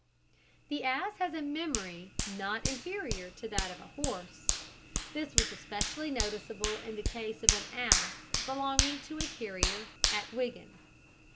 The ass has a memory not inferior to that of the horse. This was especially noticeable in the case of an ass belonging to a carrier at Wigan.